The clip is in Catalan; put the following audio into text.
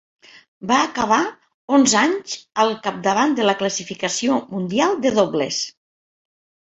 Va acabar onze anys al capdavant de la classificació mundial de dobles.